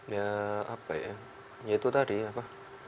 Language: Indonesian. ya apa ya ya itu tadi apa